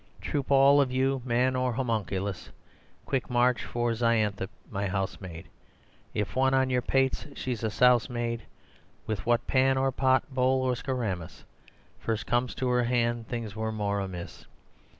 Troop, all of you man or homunculus, Quick march! for Xanthippe, my housemaid, If once on your pates she a souse made With what, pan or pot, bowl or skoramis, First comes to her hand things were more amiss!